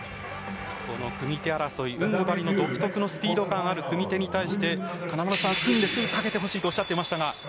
この組み手争いウングバリの独特のスピード感ある組み手に対して組んですぐかけてほしいとおっしゃいましたが。